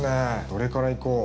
どれから行こう。